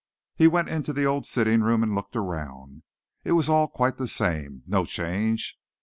He went into the old sitting room and looked around. It was all quite the same no change.